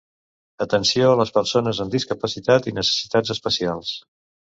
Atenció a les persones amb discapacitat i necessitats especials.